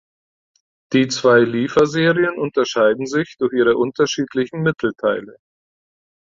Die zwei Lieferserien unterscheiden sich durch ihre unterschiedlichen Mittelteile.